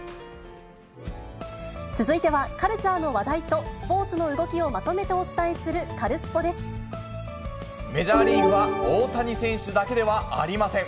続いては、カルチャーの話題とスポーツの動きをまとめてお伝メジャーリーグは、大谷選手だけではありません。